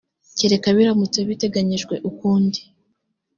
kereka biramutse biteganyijwe ukundi